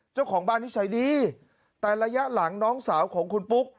เจ้าของบ้านนิสัยดีแต่ระยะหลังน้องสาวของคุณปุ๊ก